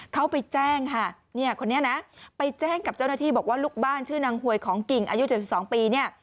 เขาไปแจ้งกับเจ้าหน้าที่บอกว่าลูกบ้านชื่อนางหวยของกิ่งอายุ๗๒ปี